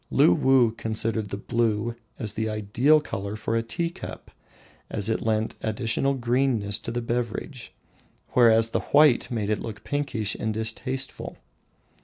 Luwuh considered the blue as the ideal colour for the tea cup, as it lent additional greenness to the beverage, whereas the white made it look pinkish and distasteful.